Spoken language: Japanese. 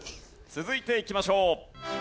続いていきましょう。